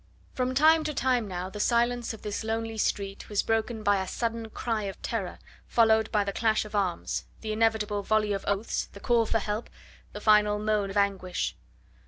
From time to time now the silence of this lonely street was broken by a sudden cry of terror, followed by the clash of arms, the inevitable volley of oaths, the call for help, the final moan of anguish.